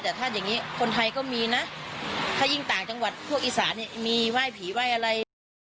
แต่ถ้าอย่างนี้คนไทยก็มีนะถ้ายิ่งต่างจังหวัดพวกอีสานมีไหว้ผีไหว้อะไร